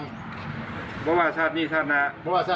เพราะว่าชาติหนี้ชาตินะ